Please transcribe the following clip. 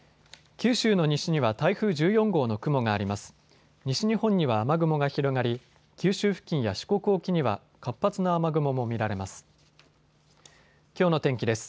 九州の西には台風１４号の雲があります。